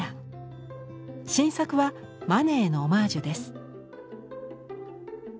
新作はマネへのオマージュです。